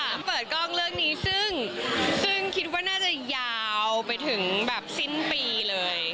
เปิดกล้องเรื่องนี้ซึ่งคิดว่าน่าจะยาวไปถึงแบบสิ้นปีเลย